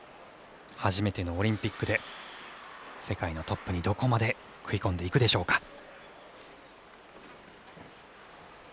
初めてのオリンピックで世界のトップにどこまで食い込んでいくでしょうか。